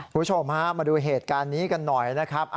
คุณผู้ชมฮะมาดูเหตุการณ์นี้กันหน่อยนะครับ